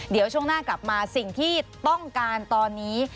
เดี๋ยวช่วงหน้ากลับมาสิ่งที่ต้องการตอนนี้